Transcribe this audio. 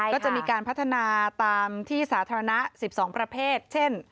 ก็จะมีการพัฒนาตามที่สาธารณะ๑๒ประเภทเช่น